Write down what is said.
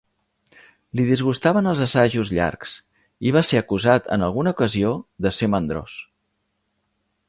Li disgustaven els assajos llargs i va ser acusat en alguna ocasió de ser mandrós.